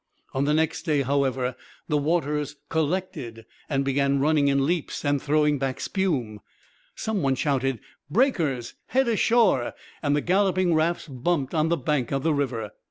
On the next day, however, the waters 'collected' and began running in leaps and throwing back spume. Some one shouted 'Breakers! head ashore!' and the galloping rafts bumped on the bank of the river.